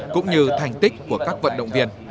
cũng như thành tích của các vận động viên